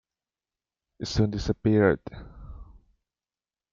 It soon disappeared.